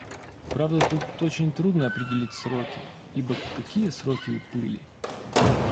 Правда, тут очень трудно определить сроки, ибо какие сроки у пыли?